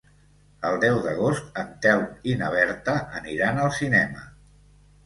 El deu d'agost en Telm i na Berta aniran al cinema.